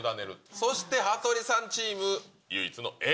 そして羽鳥さんチーム、唯一のＡ。